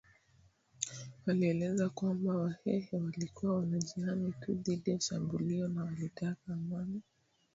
walieleza kwamba Wahehe walikuwa wanajihami tu dhidi ya shambulio na walitaka amani